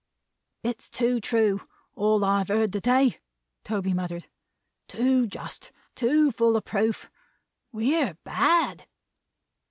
"It's too true, all I've heard to day," Toby muttered; "too just, too full of proof. We're Bad!"